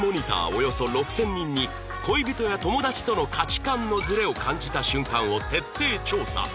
およそ６０００人に恋人や友達との価値観のズレを感じた瞬間を徹底調査